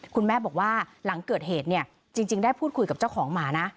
คุณแม่บอกว่าหลังเกิดเหตุเนี่ยจริงได้พูดคุยกับเจ้าของหมานะ